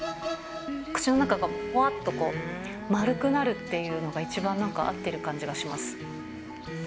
口の中がぽわっと丸くなるっていうのが一番なんか合ってる感じがします。